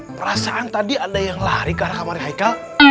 perasaan tadi ada yang lari ke kamarnya